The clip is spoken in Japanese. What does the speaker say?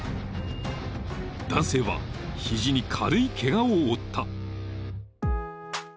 ［男性は肘に軽いケガを負った］